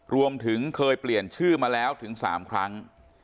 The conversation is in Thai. รวมถึงเคยเปลี่ยนชื่อมาแล้วถึง๓ครั้ง